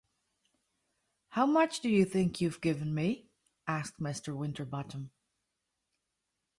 “How much do you think you’ve given me?” asked Mr. Winterbottom.